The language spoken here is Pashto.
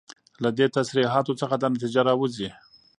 له دي تصريحاتو څخه دا نتيجه راوځي